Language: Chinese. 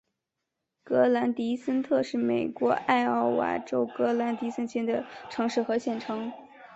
格兰迪森特是美国艾奥瓦州格兰迪县的城市和县城。